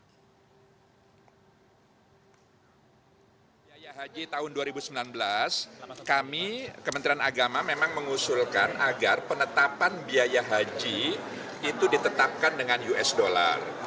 biaya haji tahun dua ribu sembilan belas kami kementerian agama memang mengusulkan agar penetapan biaya haji itu ditetapkan dengan usd